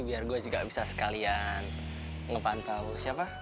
biar gue juga bisa sekalian ngepantau siapa